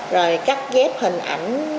rồi cắt ghép hình ảnh